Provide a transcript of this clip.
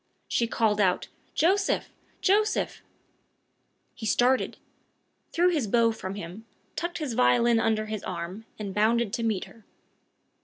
She called out, "Joseph! Joseph!" He started, threw his bow from him, tucked his violin under his arm, and bounded to meet her.